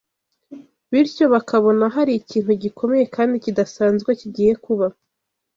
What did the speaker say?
bityo bakabona hari ikintu gikomeye kandi kidasanzwe kigiye kuba